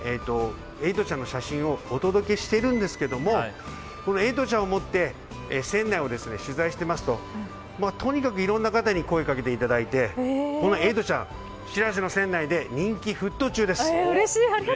エイトちゃんの写真をお届けしてるんですけどもエイトちゃんを持って船内を取材していますととにかくいろんな方に声を掛けていただいてエイトちゃん、しらせの船内でうれしい。